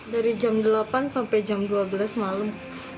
dari jam delapan sampai jam dua belas malam